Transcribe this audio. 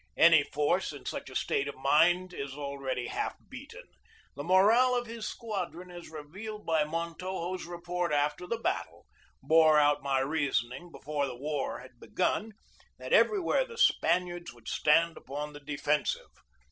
Any force in such a state of mind is al ready half beaten. The morale of his squadron, as revealed by Montojo's report after the battle, bore out my reasoning before the war had begun, that everywhere the Spaniards would stand upon the de fensive.